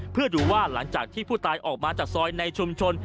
เพื่อดูว่าหลังจากที่ผู้ตายออกมาจากซอยในชุมชน